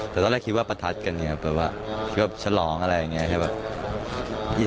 แต่ตอนแรกคิดว่าประทัดกันอย่างเงี้ยแบบว่าชะลองอะไรอย่างเงี้ย